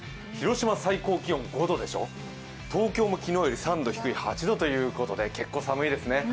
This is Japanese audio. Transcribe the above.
広島最高気温５度でしょ、東京も昨日より３度低い８度ということで結構寒いですね。